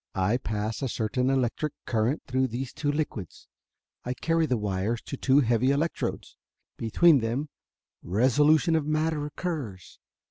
I pass a certain electric current through these two liquids. I carry the wires to two heavy electrodes. Between them resolution of matter occurs.